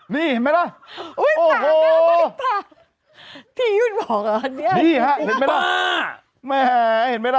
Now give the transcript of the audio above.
นี่เห็นไหมล่ะโอ้โหพี่ยุ่นบอกอ่ะอันนี้นี่ฮะเห็นไหมล่ะแหมเห็นไหมล่ะ